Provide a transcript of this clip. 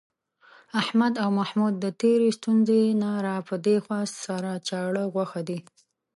احمد او محمود د تېرې ستونزې نه را پدېخوا، سره چاړه غوښه دي.